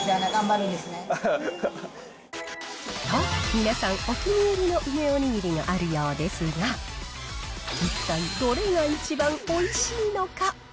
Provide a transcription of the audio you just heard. と、皆さんお気に入りの梅おにぎりがあるようですが、一体どれが一番おいしいのか。